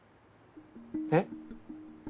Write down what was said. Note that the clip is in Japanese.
えっ？